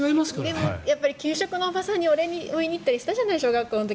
でも給食のおばさんにお礼言いに行ったりしたじゃない小学校の時。